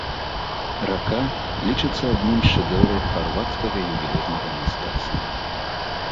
Рака лічыцца адным з шэдэўраў харвацкага ювелірнага мастацтва.